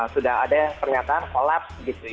sudah ada pernyataan kolaps